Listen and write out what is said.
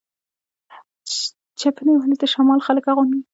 چپنې ولې د شمال خلک اغوندي؟